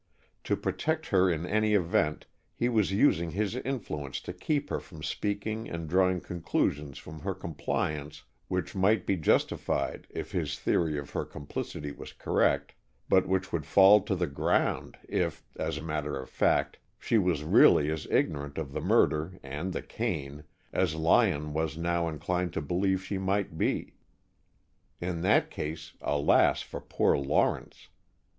To protect her in any event, he was using his influence to keep her from speaking and drawing conclusions from her compliance which might be justified if his theory of her complicity was correct, but which would fall to the ground if, as a matter of fact, she was really as ignorant of the murder (and the cane) as Lyon was now inclined to believe she might be. In that case, alas for poor Lawrence!